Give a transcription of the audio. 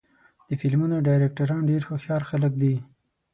د فلمونو ډایرکټران ډېر هوښیار خلک دي.